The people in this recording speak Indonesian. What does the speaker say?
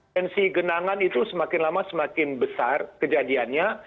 tensi genangan itu semakin lama semakin besar kejadiannya